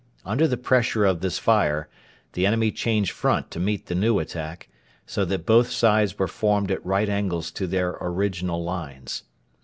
Under the pressure of this fire the enemy changed front to meet the new attack, so that both sides were formed at right angles to their original lines.